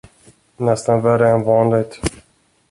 Nästan värre än vanligt.